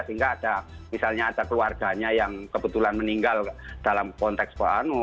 sehingga ada misalnya ada keluarganya yang kebetulan meninggal dalam konteks